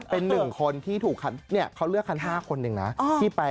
เป็นหนึ่งคนที่ถูกเขาเลือกคัน๕คนหนึ่งนะที่ไป